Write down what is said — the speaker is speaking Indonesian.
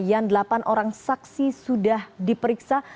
yang delapan orang saksi sudah diperiksa